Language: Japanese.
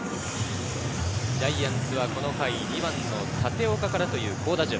ジャイアンツはこの回、２番の立岡からという好打順。